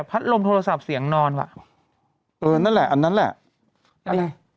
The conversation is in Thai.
พัดลมโทรศัพท์เสียงนอนว่ะเออนั่นแหละอันนั้นแหละอะไร